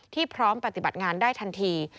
พร้อมปฏิบัติงานได้ทันที